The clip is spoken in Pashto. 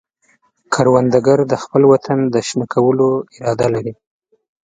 کروندګر د خپل وطن د شنه کولو اراده لري